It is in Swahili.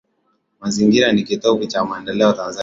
Mazingira ni Kitovu Cha Maendeleo Tanzania